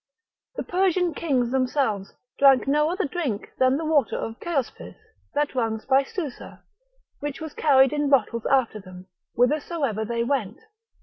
The Persian kings themselves drank no other drink than the water of Chaospis, that runs by Susa, which was carried in bottles after them, whithersoever they went.